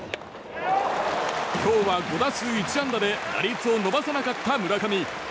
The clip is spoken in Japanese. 今日は５打数１安打で打率を伸ばせなかった村上。